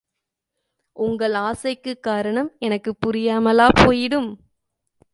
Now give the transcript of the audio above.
உங்கள் ஆசைக்குக் காரணம் எனக்குப் புரியாமலா போயிடும்?